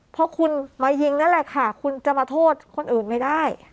เพราะคุณมายิงนั่นแหละค่ะคุณจะมาโทษคนอื่นไม่ได้